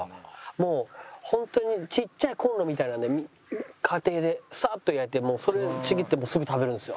もうホントにちっちゃいコンロみたいなので家庭でサッと焼いてそれちぎってもうすぐ食べるんですよ。